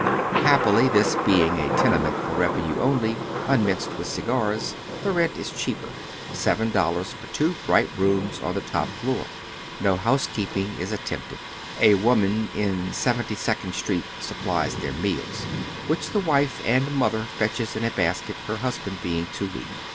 Happily, this being a tenement for revenue only, unmixed with cigars, the rent is cheaper : seven dollars for two bright rooms on the top floor. No housekeeping is at tempted. A woman in Seventy second Street supplies their meals, which the wife and mother fetches in a basket, her husband being too weak.